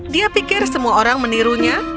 dia pikir semua orang menirunya